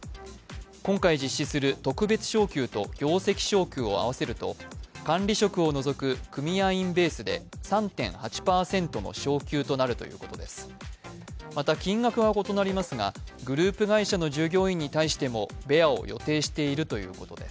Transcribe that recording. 今回実施する特別昇給と業績昇給を合わせると管理職を除く組合員ベースで３．８％の昇給となるということです。